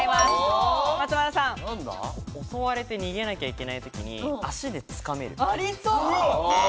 襲われて逃げなきゃいけないときに足でつかめる。